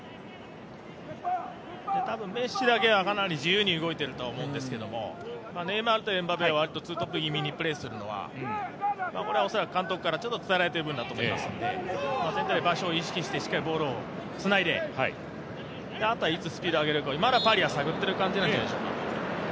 メッシだけはかなり自由に動いていると思うんですけどネイマールとエムバペは割とツートップ気味にプレーするのはこれは恐らく監督から伝えられてる部分だと思いますので全体で場所を意識してしっかりボールをつないであとはいつスピードを上げるかまだパリは探ってる状態じゃないでしょうか。